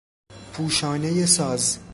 پوشانهی ساز